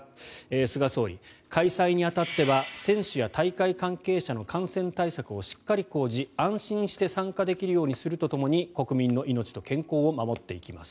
菅総理、開催に当たっては選手や大会関係者の感染対策をしっかり講じ、安心して参加できるようにするとともに国民の命と健康を守っていきます。